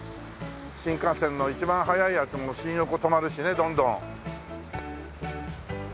新幹線の一番速いやつも新横止まるしねどんどん。